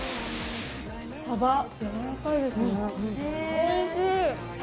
おいしい！